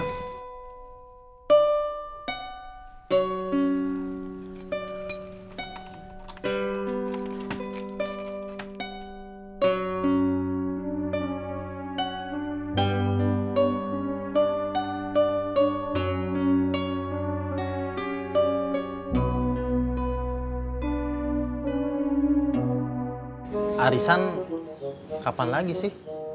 harisan kapan lagi sih